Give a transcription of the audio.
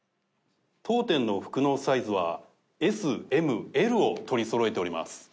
当店の服のサイズはＳ・Ｍ・Ｌを取りそろえております。